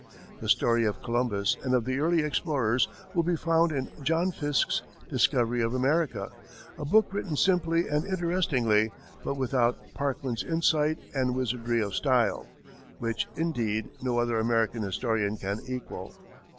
The story of Columbus and of the early explorers will be found in John Fiske's "Discovery of America," a book written simply and interestingly, but without Parkman's insight and wizardry of style which, indeed, no other American historian can equal.